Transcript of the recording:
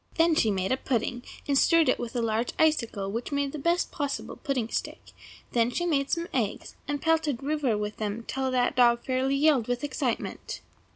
Then she made a pudding, and stirred it with a large icicle, which made the best possible pudding stick; then she made some eggs, and pelted Rover with them till that good dog fairly yelled with excitement.